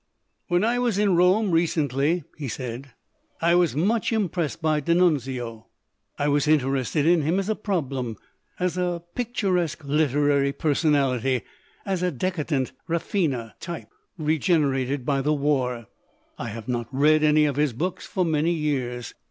"When I was in Rome recently, " he said, "I was much impressed by D'Annunzio. I was in terested in him as a problem, as a picturesque literary personality, as a decadent raffine type regenerated by the war. I have not read any of his books for many years.